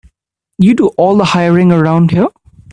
You do all the hiring around here.